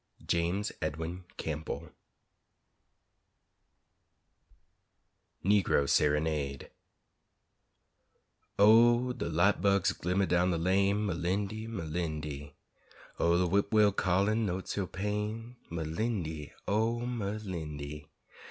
James Edwin Campbell NEGRO SERENADE O, de light bugs glimmer down de lane, Merlindy! Merlindy! O, de whip' will callin' notes ur pain Merlindy, O, Merlindy!